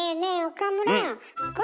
岡村。